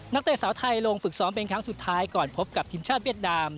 เตะสาวไทยลงฝึกซ้อมเป็นครั้งสุดท้ายก่อนพบกับทีมชาติเวียดนาม